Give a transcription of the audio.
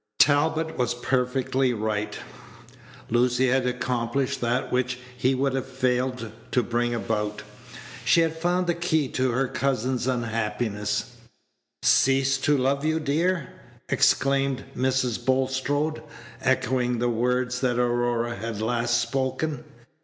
Talbot was perfectly right; Lucy had accomplished that which he would have failed to bring about. She had found the key to her cousin's unhappiness. "Ceased to love you, dear!" exclaimed Mrs. Bulstrode, echoing the words that Aurora had last spoken.